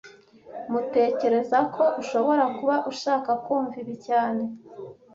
Tmutekereza ko ushobora kuba ushaka kumva ibi cyane